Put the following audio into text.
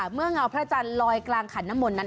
เงาพระจันทร์ลอยกลางขันน้ำมนต์นั้น